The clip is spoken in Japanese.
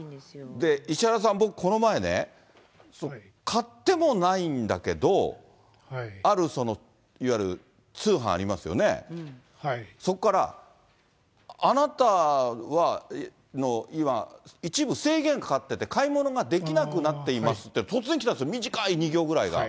石原さん、僕、この前ね、買ってもないんだけれども、あるその、いわゆる通販ありますよね、そこからあなたの今、一部制限かかってて、買い物ができなくなっていますって、突然来たんですよ、短い２行ぐらいが。